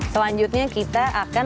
selanjutnya kita akan